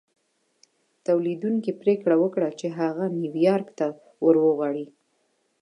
توليدوونکي پرېکړه وکړه چې هغه نيويارک ته ور وغواړي.